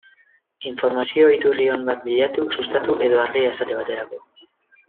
Informazio iturri on bat bilatu, Sustatu edo Argia esate baterako.